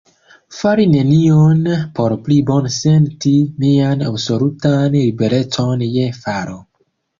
Fari nenion, por pli bone senti mian absolutan liberecon je faro.